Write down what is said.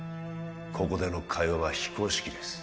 ここでの会話は非公式です